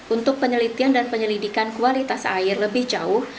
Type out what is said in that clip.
untuk penelitian dan penyelidikan kualitas air lebih jauh